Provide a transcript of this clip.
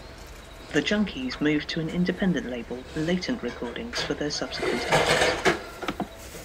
The Junkies moved to an independent label, Latent Recordings, for their subsequent albums.